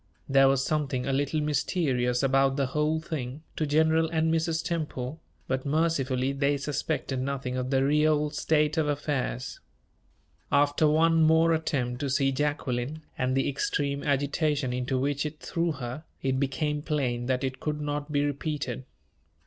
There was something a little mysterious about the whole thing, to General and Mrs. Temple, but mercifully they suspected nothing of the real state of affairs. After one more attempt to see Jacqueline, and the extreme agitation into which it threw her, it became plain that it could not be repeated.